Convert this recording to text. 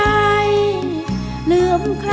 ไม่ใช้ค่ะ